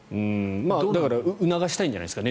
だから促したいんじゃないですか